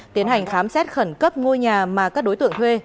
tiến hành khám xét khẩn cấp ngôi nhà mà các đối tượng thuê